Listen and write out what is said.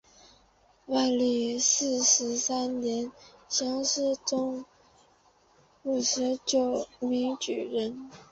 万历四十三年乡试中五十九名举人。